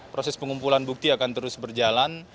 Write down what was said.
proses pengumpulan bukti akan terus berjalan